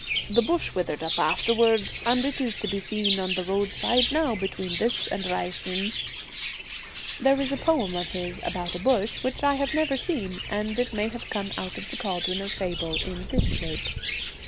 The bush withered up afterwards, and it is to be seen on the roadside now between this and Rahasine.' There is a poem of his about a bush, which I have never seen, and it may have come out of the cauldron of fable in this shape.